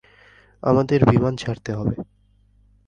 আমাদের বিমান ছাড়তে হবে।